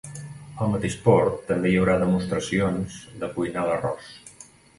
Al mateix port també hi haurà demostracions de cuinar l’arròs.